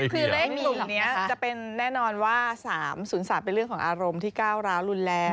คือเลขกลุ่มนี้จะเป็นแน่นอนว่า๓๐๓เป็นเรื่องของอารมณ์ที่ก้าวร้าวรุนแรง